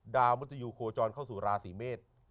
ดาวมริตยูโคจรเข้าสู่ราศีเมษฐ์